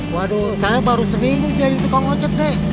waduh saya baru seminggu jadi tukang ojek deh